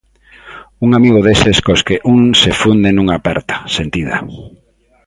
Un amigo deses cos que un se funde nunha aperta, sentida.